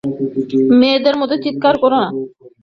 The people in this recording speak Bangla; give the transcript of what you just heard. মেয়েদের মতো চিৎকার করো না।